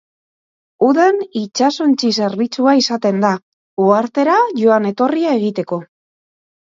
Udan itsasontzi zerbitzua izaten da, uhartera joan-etorria egiteko.